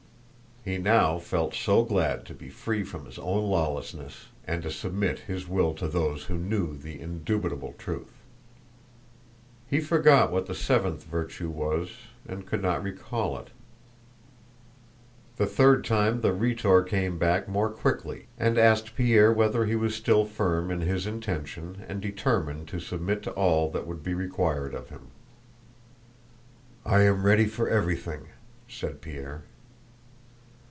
(He now felt so glad to be free from his own lawlessness and to submit his will to those who knew the indubitable truth.) He forgot what the seventh virtue was and could not recall it. The third time the Rhetor came back more quickly and asked Pierre whether he was still firm in his intention and determined to submit to all that would be required of him. "I am ready for everything," said Pierre.